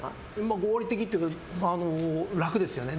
合理的というか楽ですよね。